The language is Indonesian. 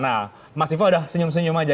nah mas ifah sudah senyum senyum aja